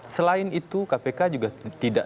selain itu kpk juga tidak